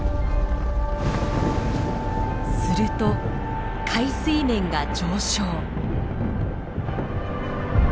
すると海水面が上昇。